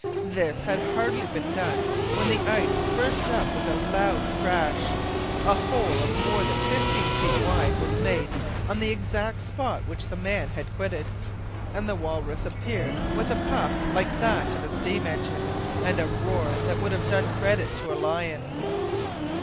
This had hardly been done when the ice burst up with a loud crash; a hole of more than fifteen feet wide was made on the exact spot which the man had quitted, and the walrus appeared with a puff like that of a steam engine, and a roar that would have done credit to a lion.